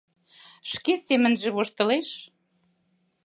Шке семынже воштылеш.